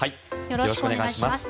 よろしくお願いします。